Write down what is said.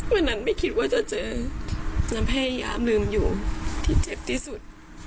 วันนั้นไม่คิดว่าจะเจอยังพยายามลืมอยู่ที่เจ็บที่สุด